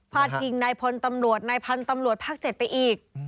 ดพิงนายพลตำรวจนายพันธุ์ตำรวจภาค๗ไปอีก